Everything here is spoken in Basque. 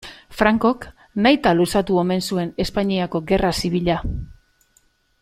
Francok nahita luzatu omen zuen Espainiako gerra zibila.